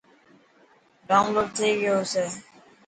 ڊائون لوڊ ٿي گئي هو سي.